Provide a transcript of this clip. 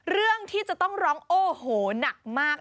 เรื่องที่จะต้องร้องโอ้โหหนักมาก